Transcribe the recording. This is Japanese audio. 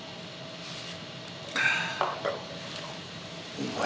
うまい。